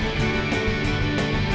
jogja imas datang